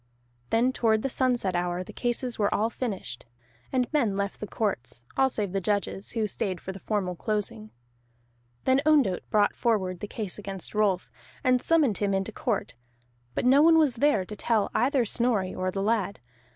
Then toward the sunset hour the cases were all finished, and men left the courts, all save the judges, who stayed for the formal closing. Then Ondott brought forward the case against Rolf, and summoned him into court, but no one was there to tell either Snorri or the lad.